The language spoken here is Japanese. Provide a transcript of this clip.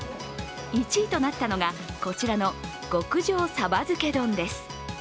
１位となったのが、こちらの極上さば漬け丼です。